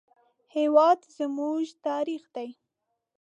هېواد زموږ تاریخ دی